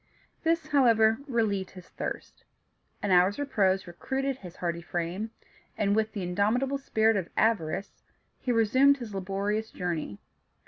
This, however, relieved his thirst; an hour's repose recruited his hardy frame, and, with the indomitable spirit of avarice, he resumed his laborious journey.